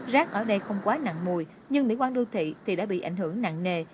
rác ở đây không quá nặng mùi nhưng mỹ quan đô thị thì đã bị ảnh hưởng nặng nề